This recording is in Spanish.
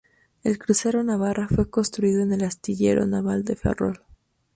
El crucero "Navarra" fue construido en el astillero naval de Ferrol.